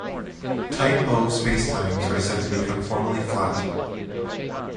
Type O spacetimes are said to be conformally flat.